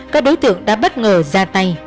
các đối tượng đã bất ngờ ra tay